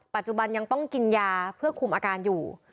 ปัจจุบันยังต้องกินยาเพื่อคุมอาการอยู่